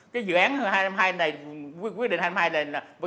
cái dự án hai mươi hai này quyết định hai mươi hai này là